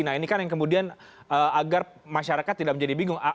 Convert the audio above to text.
nah ini kan yang kemudian agar masyarakat tidak menjadi bingung